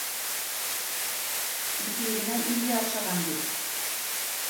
Ипле генә иргә оҡшаған бит...